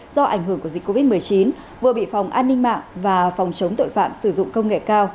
do ảnh hưởng của dịch covid một mươi chín vừa bị phòng an ninh mạng và phòng chống tội phạm sử dụng công nghệ cao